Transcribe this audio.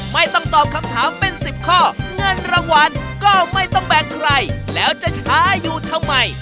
ไม่ต้องตอบคำถามเป็น๑๐ข้อเงินรางวัลก็ไม่ต้องแบ่งใครแล้วจะช้าอยู่ทำไม